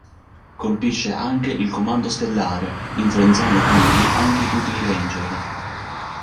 Colpisce anche il Comando Stellare influenzando quindi anche tutti i Ranger.